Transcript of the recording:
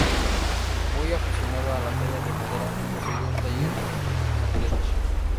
Muy aficionada a la talla de madera, poseyó un taller en Utrecht.